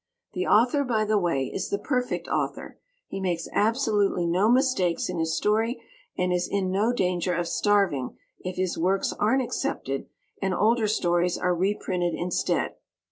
The author, by the way, is the perfect author; he makes absolutely no mistakes in his story, and is in no danger of starving if his works aren't accepted and older stories are reprinted instead.